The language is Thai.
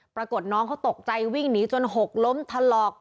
ปรากฏน้องเขาตกใจวิ่งหนีจนหกล้มถลอก